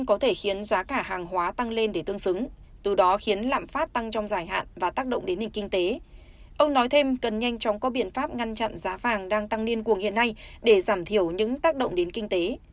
ông nói thêm cần nhanh chóng có biện pháp ngăn chặn giá vàng đang tăng niên cuồng hiện nay để giảm thiểu những tác động đến kinh tế